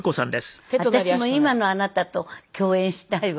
私も今のあなたと共演したいわ。